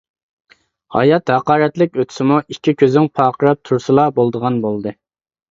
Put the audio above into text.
ھايات ھاقارەتلىك ئۆتسىمۇ، ئىككى كۆزۈڭ پارقىراپ تۇرسىلا بولىدىغان بولدى.